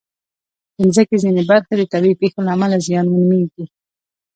د مځکې ځینې برخې د طبعي پېښو له امله زیانمنېږي.